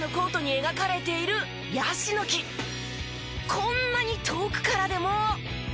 こんなに遠くからでも。